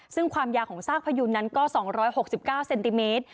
ซึ่งความยาวของซากพยูนนั้นก็๒๖๙เซนติเมตร